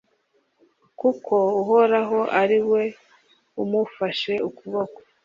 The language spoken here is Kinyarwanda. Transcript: kuko Uhoraho ari we umufashe ukuboko